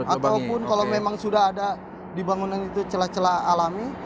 ataupun kalau memang sudah ada di bangunan itu celah celah alami